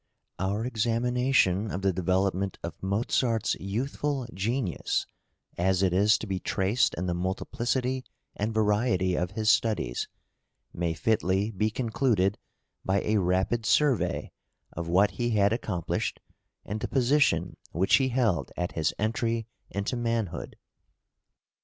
OUR examination of the development of Mozart's youthful genius, as it is to be traced in the multiplicity and variety of his studies, may fitly be concluded by a rapid survey of what he had accomplished and the position which he held at his entry into manhood.